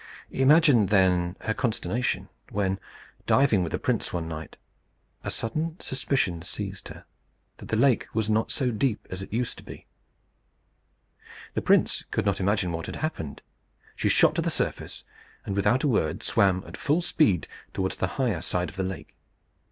Imagine then her consternation, when, diving with the prince one night, a sudden suspicion seized her that the lake was not so deep as it used to be. The prince could not imagine what had happened. She shot to the surface, and, without a word, swam at full speed towards the higher side of the lake.